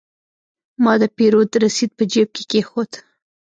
ما د پیرود رسید په جیب کې کېښود.